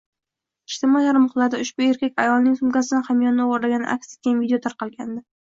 Ijtimoiy tarmoqlarda ushbu erkak ayolning sumkasidan hamyonni o‘g‘irlagani aks etgan video tarqalgandi